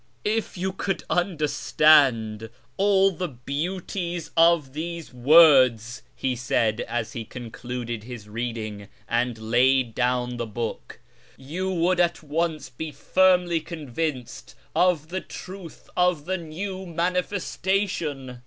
" If you 4o6 yl YEAR AMONGST THE rURSlAAS could understand all the beauties of these words," he said, as he concluded his reading and laid down the book, "you would at once be firmly convinced of the (rutli of the New Manifestation."